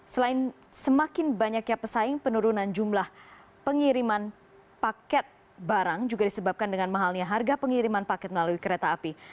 selain semakin banyaknya pesaing penurunan jumlah pengiriman paket barang juga disebabkan dengan mahalnya harga pengiriman paket melalui kereta api